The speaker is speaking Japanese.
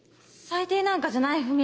最低なんかじゃないさぁ。